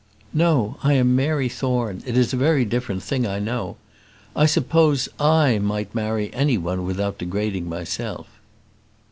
"No, I am Mary Thorne; it is a very different thing, I know. I suppose I might marry any one without degrading myself."